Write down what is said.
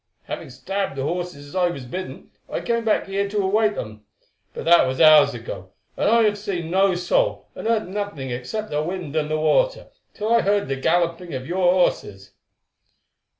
Having stabled the horses as I was bidden, I came back here to await them. But that was hours ago, and I have seen no soul, and heard nothing except the wind and the water, till I heard the galloping of your horses."